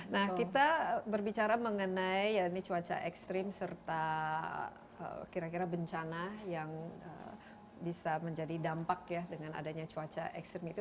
nah kita berbicara mengenai ya ini cuaca ekstrim serta kira kira bencana yang bisa menjadi dampak ya dengan adanya cuaca ekstrim itu